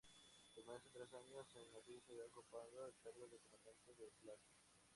Permanece tres años en aquella ciudad, ocupando el cargo de Comandante de plaza.